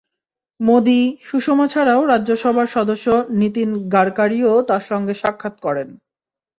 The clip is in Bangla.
মোদি, সুষমা ছাড়াও রাজ্যসভার সদস্য নিতিন গাড়কারিও তাঁর সঙ্গে সাক্ষাৎ করেন।